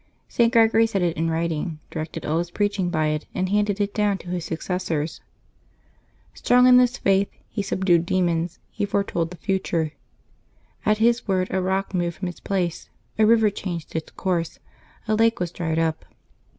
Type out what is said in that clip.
St. Gregory set it in writing, directed all his preaching by it, and handed it down to his successors. Strong in this faith, he subdued demons; he foretold the future. At his word, a rock moved from its place, a river changed its course, a lake was dried up.